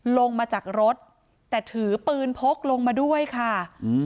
ลงมาจากรถแต่ถือปืนพกลงมาด้วยค่ะอืม